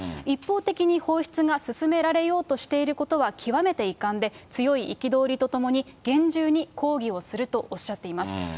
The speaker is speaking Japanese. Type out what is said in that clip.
一方的に放出が進められようとしていることは極めて遺憾で、強い憤りとともに厳重に抗議をするとおっしゃっています。